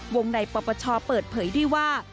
วงในปปชเปิดเผยด้วยว่า